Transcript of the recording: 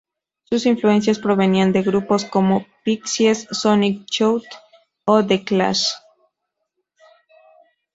Sus influencias provenían de grupos como Pixies, Sonic Youth o The Clash.